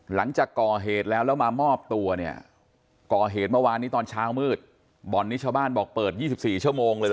หลังจากก่อเหตุแล้วแล้วมามอบตัวเนี่ยก่อเหตุเมื่อวานนี้ตอนเช้ามืดบ่อนนี้ชาวบ้านบอกเปิด๒๔ชั่วโมงเลยเห